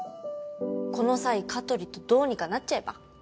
この際香取とどうにかなっちゃえば？